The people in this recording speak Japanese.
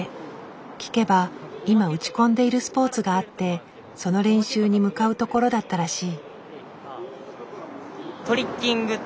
聞けば今打ち込んでいるスポーツがあってその練習に向かうところだったらしい。